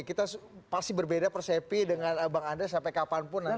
kita pasti berbeda persepi dengan bang andres sampai kapanpun nanti